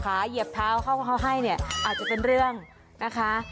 เหยียบเท้าเข้าเขาให้เนี่ยอาจจะเป็นเรื่องนะคะ